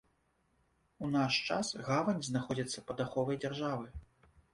У наш час гавань знаходзіцца пад аховай дзяржавы.